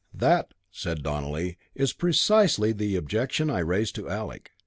"That," said Donelly, "is precisely the objection I raised to Alec.